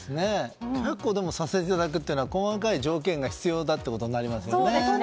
結構させていただくっていうのは細かい条件が必要だということになりますね。